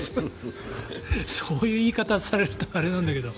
そういう言い方されるとあれなんだけど。